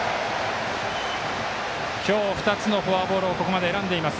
今日２つのフォアボールを選んでいます。